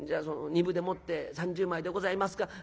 その２分でもって３０枚でございますか。